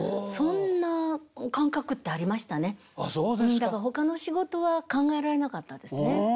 だからほかの仕事は考えられなかったですね。